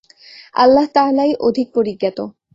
আল্লাহ্ তাআলাই অধিক পরিজ্ঞাত।